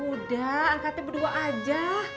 udah angkatnya berdua aja